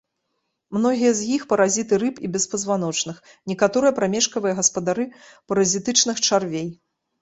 Многія з іх паразіты рыб і беспазваночных, некаторыя прамежкавыя гаспадары паразітычных чарвей.